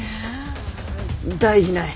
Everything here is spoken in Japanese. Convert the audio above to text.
大事ない。